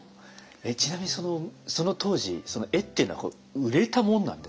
えっちなみにその当時絵っていうのは売れたもんなんですか？